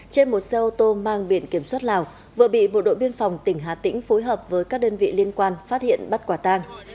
trên một xe ô tô mang biện kiểm soát lào vừa bị bộ đội biên phòng tỉnh hà tĩnh phối hợp với các đơn vị liên quan phát hiện bắt quả tang